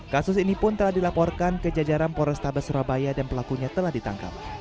kasus ini pun telah dilaporkan ke jajaran polrestabes surabaya dan pelakunya telah ditangkap